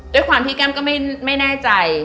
ด้วยความที่แก้มก็ไม่แน่ใจ